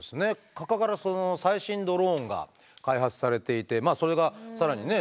蚊から最新ドローンが開発されていてまあそれが更にね